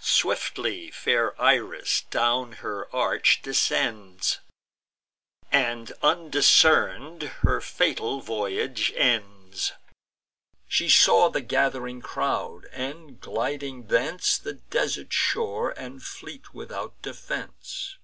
Swiftly fair Iris down her arch descends, And, undiscern'd, her fatal voyage ends. She saw the gath'ring crowd; and, gliding thence, The desert shore, and fleet without defence.